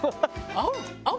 合う！